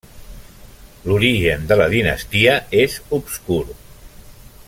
L'origen de la dinastia és obscur.